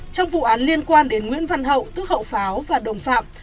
trong vụ án liên quan đến nguyễn văn hậu tức hậu pháo và đồng phạm